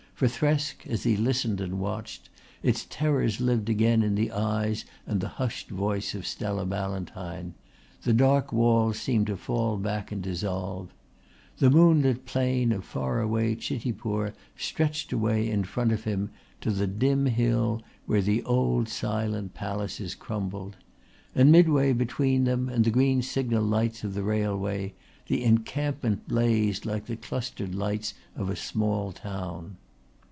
For Thresk as he listened and watched, its terrors lived again in the eyes and the hushed voice of Stella Ballantyne, the dark walls seemed to fall back and dissolve. The moonlit plain of far away Chitipur stretched away in front of him to the dim hill where the old silent palaces crumbled; and midway between them and the green signal lights of the railway the encampment blazed like the clustered lights of a small town.